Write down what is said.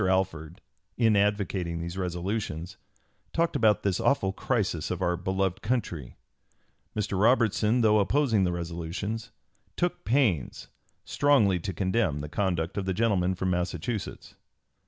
Alford, in advocating these resolutions, talked about "this awful crisis of our beloved country." Mr. Robertson, though opposing (p. 276) the resolutions, took pains "strongly to condemn ... the conduct of the gentleman from Massachusetts."